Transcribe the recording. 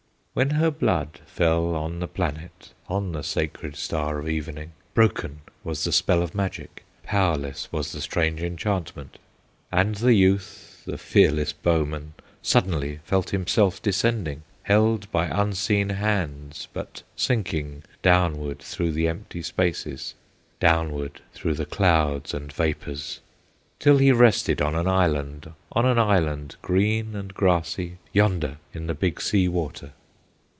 "When her blood fell on the planet, On the sacred Star of Evening, Broken was the spell of magic, Powerless was the strange enchantment, And the youth, the fearless bowman, Suddenly felt himself descending, Held by unseen hands, but sinking Downward through the empty spaces, Downward through the clouds and vapors, Till he rested on an island, On an island, green and grassy, Yonder in the Big Sea Water.